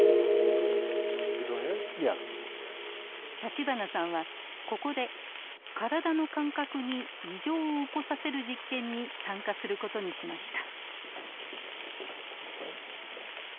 立花さんはここで体の感覚に異常を起こさせる実験に参加する事にしました。